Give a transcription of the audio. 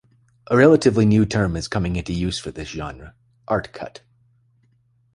A relatively new term is coming into use for this genre: "Art Cut"